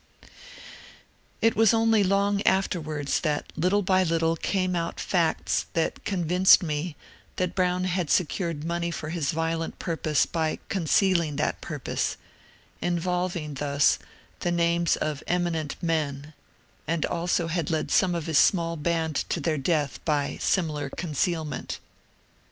It was only long afterwards that little by little came out facts that convinced me that Brown had secured money for his violent purpose by concealing that purpose, involving thus the names of eminent men, and also had led some of his small band to their death by similar concealment.